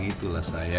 itu gak mesti